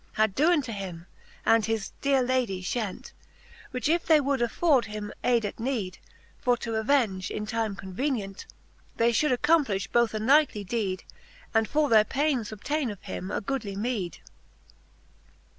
Had doen to him, and his deare Ladie fhent : Which if they would afford him ayde at need For to avenge, in time convenient, They fhould accomplifh both a knightly d^td^ And for their paines obtaine of him a goodly meed.